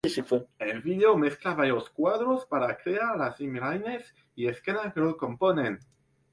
El video mezcla varios cuadros para crear las imágenes y escenas que lo componen.